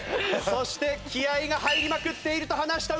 そして気合が入りまくっていると話した浮所君。